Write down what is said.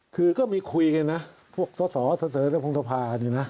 คือก็มีคุยกันนะพวกสอสเตอร์และพงธภาพอยู่นะ